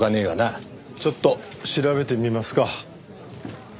ちょっと調べてみますか。